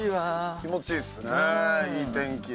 気持ちいいっすねいい天気で。